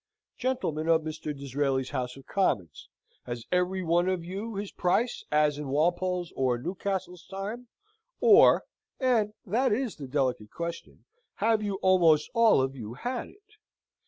Gentlemen of Mr. Disraeli's House of Commons! has every one of you his price, as in Walpole's or Newcastle's time, or (and that is the delicate question) have you almost all of you had it?